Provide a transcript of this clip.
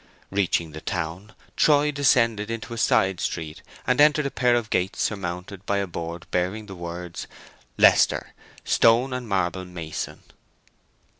Reaching the town, Troy descended into a side street and entered a pair of gates surmounted by a board bearing the words, "Lester, stone and marble mason."